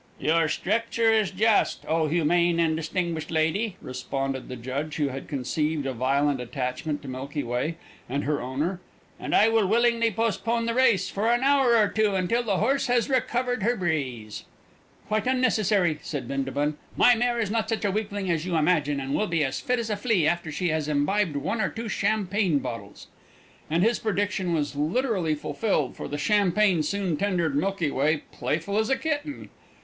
"Your stricture is just, O humane and distinguished lady," responded the judge, who had conceived a violent attachment to Milky Way and her owner, "and I will willingly postpone the race for an hour or two until the horse has recovered her breeze." "Quite unnecessary!" said Bindabun. "My mare is not such a weakling as you imagine, and will be as fit as a flea after she has imbibed one or two champagne bottles." And his prediction was literally fulfilled, for the champagne soon rendered Milky Way playful as a kitten.